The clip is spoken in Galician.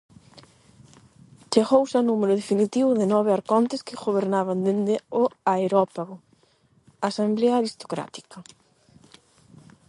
Chegouse ao número definitivo de nove arcontes que gobernaban dende o areópago, asemblea aristocrática.